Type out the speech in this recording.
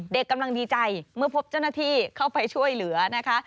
กำลังดีใจเมื่อพบเจ้าหน้าที่เข้าไปช่วยเหลือนะคะ